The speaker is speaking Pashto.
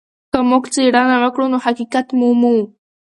که موږ څېړنه وکړو نو حقيقت مومو.